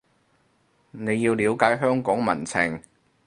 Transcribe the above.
你要了解香港民情